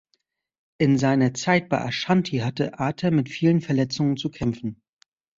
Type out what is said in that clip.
In seiner Zeit bei Ashanti hatte Atem mit vielen Verletzungen zu kämpfen.